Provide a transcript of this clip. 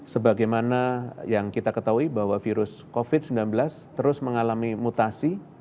sebagaimana yang kita ketahui bahwa virus covid sembilan belas terus mengalami mutasi